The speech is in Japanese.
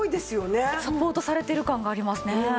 ちゃんとサポートされてる感がありますね。